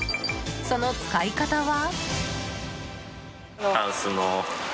その使い方は？